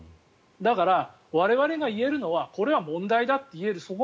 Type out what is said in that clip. だから、我々が言えるのはこれは問題だというところ。